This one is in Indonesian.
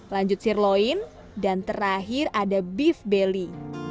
lanjut sirloin dan terakhir ada beef bally